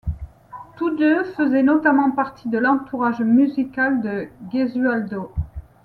Tous deux faisaient notamment partie de l’entourage musical de Gesualdo.